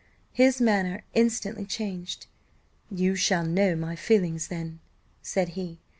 His manner instantly changed. "You shall know my feelings, then," said he.